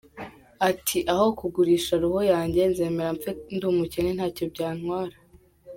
Ati “Aho kugurisha roho yanjye nzemera mpfe ndi umukene ntacyo byantwara.